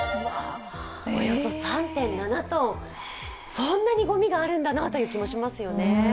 そんなにごみがあるんだなという気もしますよね。